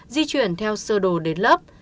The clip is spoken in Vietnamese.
di chuyển theo sơ đồ đến lớp